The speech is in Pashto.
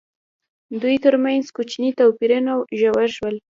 دوی ترمنځ کوچني توپیرونه ژور شول.